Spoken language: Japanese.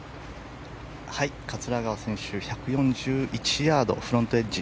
桂川選手、１４１ヤードフロントエッジ。